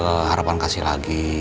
kamu udah gak keharapan kasih lagi